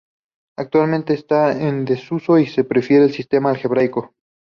Actualmente está en desuso y se prefiere el sistema algebraico.